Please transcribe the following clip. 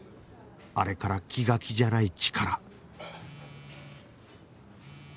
あれから気が気じゃないチカラ